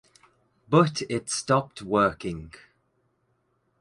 But It stopped working.